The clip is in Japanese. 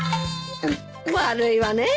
悪いわねえ。